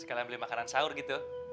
sekalian beli makanan sahur gitu